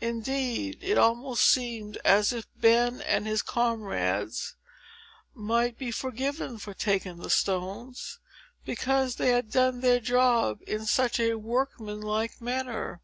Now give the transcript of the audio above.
Indeed, it almost seemed as if Ben and his comrades might be forgiven for taking the stones, because they had done their job in such a workmanlike manner.